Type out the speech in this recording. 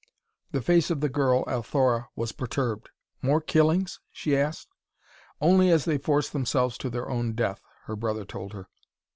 The face of the girl, Althora, was perturbed. "More killings?" she asked. "Only as they force themselves to their own death," her brother told her.